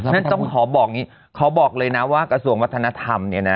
นี่ต้องขอบอกงี้ขอบอกเลยนะว่ากัลส่วนวัฒนธรรมเนี่ยนะ